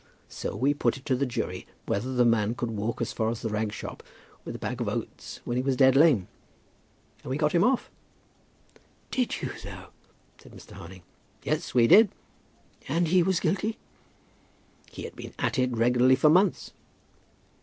So we put it to the jury whether the man could walk as far as the rag shop with a bag of oats when he was dead lame; and we got him off." "Did you though?" said Mr. Harding. "Yes, we did." "And he was guilty?" "He had been at it regularly for months."